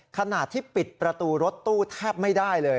ขณะที่ปิดประตูรถตู้แทบไม่ได้เลย